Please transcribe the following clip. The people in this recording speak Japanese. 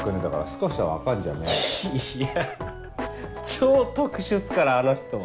超特殊っすからあの人は。